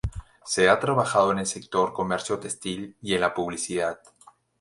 Se ha trabajado en el sector comercio textil y en la publicidad.